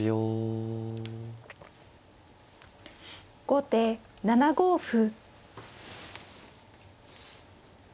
後手７五歩。